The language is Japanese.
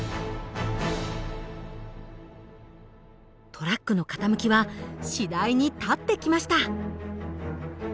トラックの傾きは次第に立ってきました。